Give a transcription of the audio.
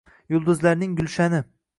Yulduzlarning gulshani